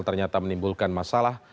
ternyata menimbulkan masalah